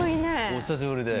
お久しぶりで。